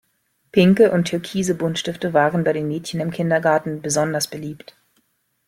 Pinke und türkise Buntstifte waren bei den Mädchen im Kindergarten besonders beliebt.